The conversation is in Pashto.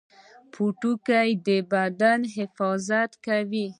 پوټکی د بدن محافظت کوي